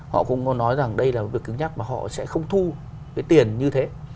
họ cũng có nói rằng đây là việc cứng nhắc mà họ sẽ không thu cái tiền như thế